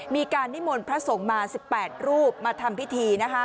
มีการนิมนต์พระสงฆ์มา๑๘รูปมาทำพิธี